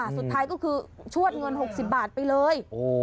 สุดท้ายก็คือชวดเงิน๖๐บาทไปเลย